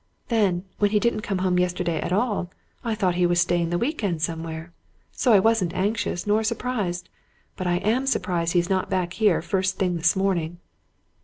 Then, when he didn't come home yesterday at all, I thought he was staying the week end somewhere. So I wasn't anxious, nor surprised. But I am surprised he's not back here first thing this morning."